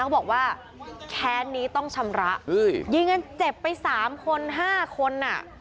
เขาบอกว่าแค้นนี้ต้องชำระยิงกันเจ็บไปสามคนห้าคนอ่ะ